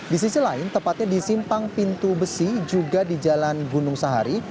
di sisi lain tepatnya di simpang pintu besi juga di jalan gunung sahari